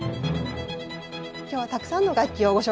今日はたくさんの楽器をご紹介したいと思います。